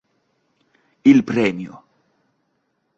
Il premio.